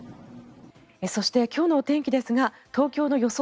そして今日のお天気ですが東京の予想